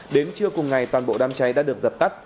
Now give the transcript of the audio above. đến trưa cùng ngày toàn bộ đám cháy đã được dập tắt